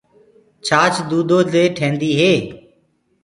ڇآچ دودو دي ٺينديٚ هي۔